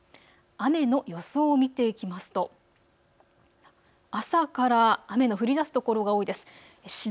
雨の予想を見ていきますと朝から雨の降りだす所が多いです。